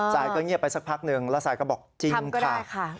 ไซด์ก็เงียบไปสักพักหนึ่งแล้วไซด์ก็บอกทำก็ได้ค่ะ